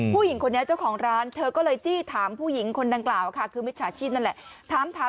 ผู้หญิงคนนี้เจ้าของร้านเธอก็เลยจี้ถามผู้หญิงคนดังกล่าวค่ะคือมิจฉาชีพนั่นแหละ